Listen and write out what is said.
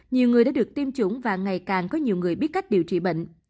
nhiều người đã được tiêm chủng và ngày càng có nhiều người biết cách điều trị bệnh